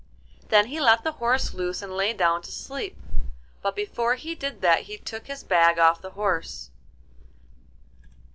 Then he let the horse loose and lay down to sleep, but before he did that he took his bag off the horse.